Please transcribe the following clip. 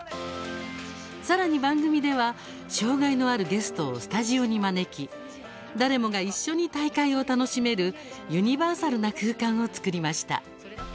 さらに番組では障害のあるゲストをスタジオに招き誰もが一緒に大会を楽しめるユニバーサルな空間を作りました。